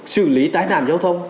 xử lý tai nạn giao thông